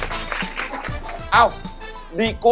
แว็กซี่ตำแหน่งที่๑ครับ